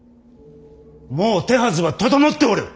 もう手はずは整っておる！